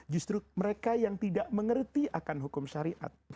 justru mereka yang tidak mengerti akan hukum syariat